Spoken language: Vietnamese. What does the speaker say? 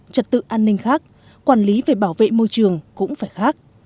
trật tự an ninh khác quản lý về bảo vệ môi trường cũng phải khác